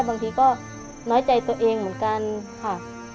บางทีก็น้อยใจตัวเองเหมือนกันค่ะ